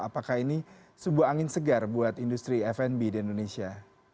apakah ini sebuah angin segar buat industri fnb di indonesia